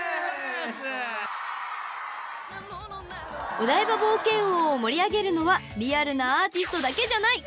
［お台場冒険王を盛り上げるのはリアルなアーティストだけじゃない］